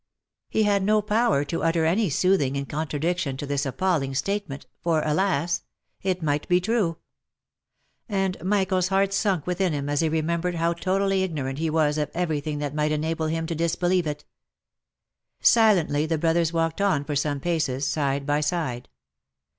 He had no power to utter any soothing in con tradiction to this appalling statement, for, alas ! it might be true — and Michael's heart sunk within him as he remembered how totally ignorant he was of every thing that might enable him to disbelieve it. Silently the brothers walked on for some paces, side by side.